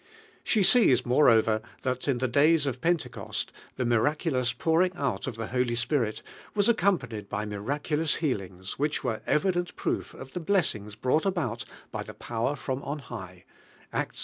She sees, more over, that in the days of Pentecost, the miraculous ponring out of the Holy Spir it was accompanied by miraculous heal ings, which were evident proof of the blessings bi fiughl about by the power from on high (Arts iii.